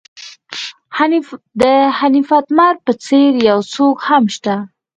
د حنیف اتمر په څېر یو څوک هم شته.